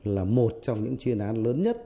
là một trong những chuyên án lớn nhất